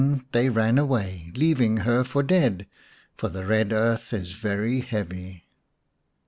188 xvi The Fairy Frog ran away, leaving her for dead, for the red earth is very heavy.